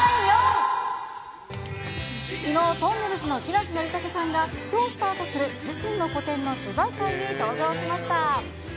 きのう、とんねるずの木梨憲武さんが、きょうスタートする、自身の個展の取材会に登場しました。